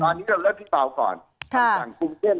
ตอนนี้เราเริ่มพิเศษเป่าก่อนคำสั่งคุมเต้น